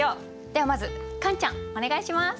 ではまずカンちゃんお願いします。